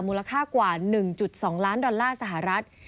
มูลค่ากว่า๑๒ล้านดอลลาร์สหรัฐ